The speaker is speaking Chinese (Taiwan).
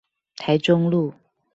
台中路